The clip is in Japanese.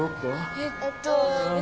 えっと。